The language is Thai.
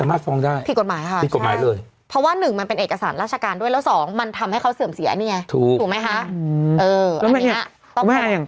โพสต์ลงผิดกฎหมายค่ะใช่เพราะว่าหนึ่งมันเป็นเอกสารราชการด้วยแล้วสองมันทำให้เขาเสื่อมเสียอันนี้ไงถูกไหมฮะ